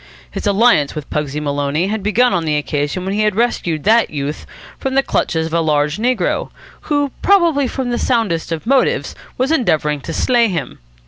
His alliance with Pugsy Maloney had begun on the occasion when he had rescued that youth from the clutches of a large negro, who, probably from the soundest of motives, was endeavouring to slay him.